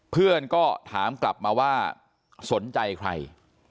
เพื่อนก็ถามกลับมาว่าสนใจใคร